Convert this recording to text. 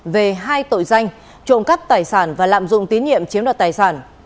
về hai tội danh trộm cắt tài sản và lạm dụng tín nhiệm chiếm đoạt tài sản